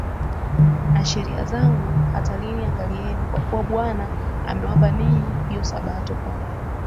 na sheria zangu hata lini angalieni kwa kuwa Bwana amewapa ninyi hiyo Sabato kwa